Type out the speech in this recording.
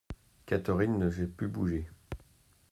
Catherine n'osait plus bouger.